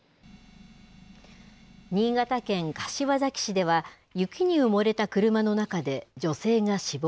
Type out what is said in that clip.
新潟県柏崎市では、雪に埋もれた車の中で女性が死亡。